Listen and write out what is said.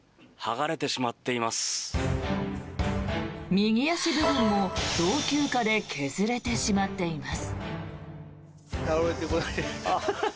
右足部分も老朽化で削れてしまっています。